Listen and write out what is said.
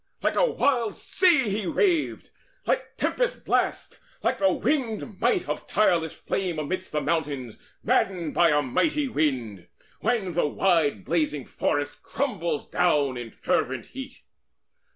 Like a wild sea he raved, like tempest blast, Like the winged might of tireless flame amidst The mountains maddened by a mighty wind, When the wide blazing forest crumbles down In fervent heat.